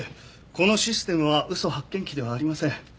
このシステムは嘘発見器ではありません。